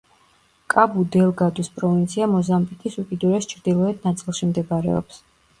კაბუ-დელგადუს პროვინცია მოზამბიკის უკიდურეს ჩრდილოეთ ნაწილში მდებარეობს.